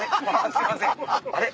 すいませんあれ？